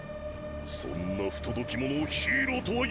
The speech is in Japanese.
そんな不届き者をヒーローとは呼べない！